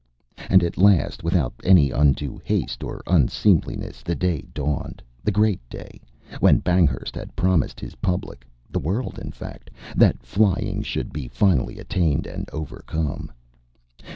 And at last, without any undue haste or unseemliness, the day dawned, the great day, when Banghurst had promised his public the world in fact that flying should be finally attained and overcome.